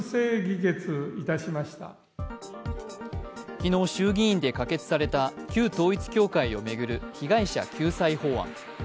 昨日、衆議院で可決された旧統一教会を巡る被害者救済法案。